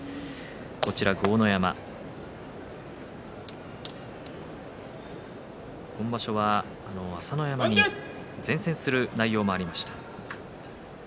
豪ノ山、今場所は朝乃山に善戦する内容もありました。